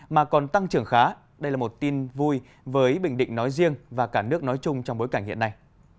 mà còn tăng trưởng khá đây là một tin vui với bình định nói riêng và cả nước nói chung trong bối cảnh hiện nay